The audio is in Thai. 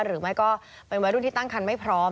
หรือไม่ก็เป็นวัยรุ่นที่ตั้งคันไม่พร้อม